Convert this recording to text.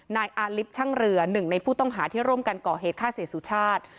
นายอาลิฟต์ช่างเรือหนึ่งในผู้ต้องหาที่ร่วมกันก่อเหตุฆ่าเสียสุชาติ